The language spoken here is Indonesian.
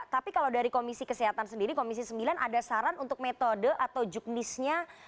tapi kalau dari komisi kesehatan sendiri komisi sembilan ada saran untuk metode atau juknisnya